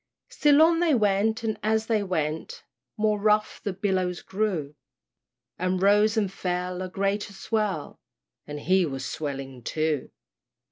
Still on they went, and as they went, More rough the billows grew, And rose and fell, a greater swell, And he was swelling too!